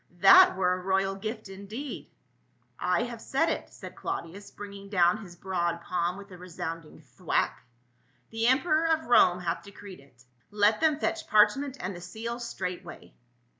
"That Were a royal gift indeed !"" 1 Viave said it," said Claudius, bringing down his THE KING OF THE JEWS. 243 broad palm with a resounding thwack. " The em peror of Rome hath decreed it. Let them fetch parchment and the seals straightway."